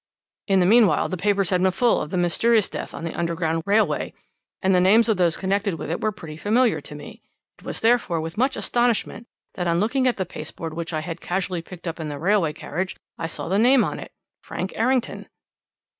"'In the meanwhile the papers had been full of the mysterious death on the Underground Railway, and the names of those connected with it were pretty familiar to me. It was, therefore, with much astonishment that on looking at the paste board which I had casually picked up in the railway carriage I saw the name on it, "Frank Errington."'